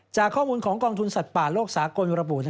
จากข้อมูลของกองทุนสัตว์ป่าโลกสากลระบุ